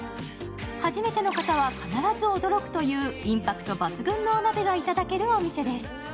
初めての方は必ず驚くというインパクト抜群のお鍋がいただけるお店です。